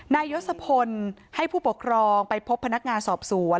ยศพลให้ผู้ปกครองไปพบพนักงานสอบสวน